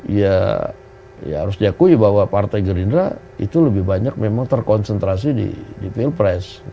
ya harus diakui bahwa partai gerindra itu lebih banyak memang terkonsentrasi di pilpres